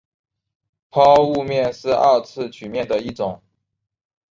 抛物面是二次曲面的一种。